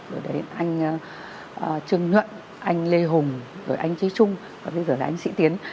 rồi đấy anh trương nhuận anh lê hùng rồi anh trí trung và bây giờ là anh sĩ tiến